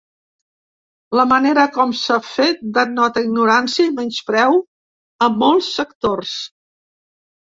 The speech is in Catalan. La manera com s’ha fet denota ignorància i menyspreu a molts sectors.